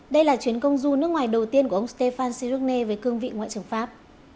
đây là chuyến công du nước ngoài đầu tiên của ông stéphane cherougne với cương vị ngoại trưởng pháp